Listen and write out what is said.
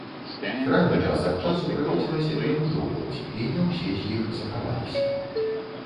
Храмы час ад часу прыходзілася перабудоўваць, і не ўсе з іх захаваліся.